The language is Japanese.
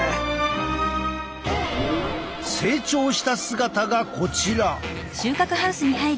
成長した姿がこちら！